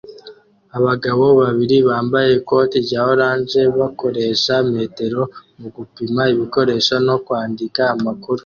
Abagabo babiri bambaye ikoti rya orange bakoresha metero mugupima ibikoresho no kwandika amakuru